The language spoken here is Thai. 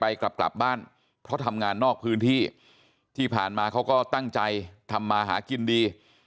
กลับกลับบ้านเพราะทำงานนอกพื้นที่ที่ผ่านมาเขาก็ตั้งใจทำมาหากินดี